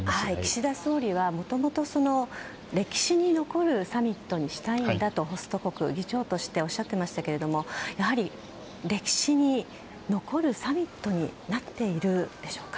岸田総理はもともと歴史に残るサミットにしたいんだとホスト国、議長としておっしゃってましたけどやはり、歴史に残るサミットになっているでしょうか。